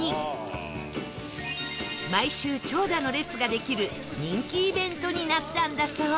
毎週長蛇の列ができる人気イベントになったんだそう